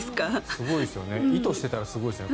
すごいですよね。意図していたらすごいですよね。